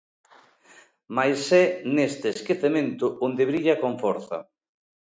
Mais é neste esquecemento onde brilla con forza.